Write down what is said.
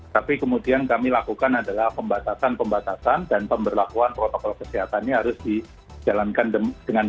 tapi kemudian kami lakukan adalah pembatasan pembatasan dan pemberlakuan protokol kesehatannya harus dijalankan dengan baik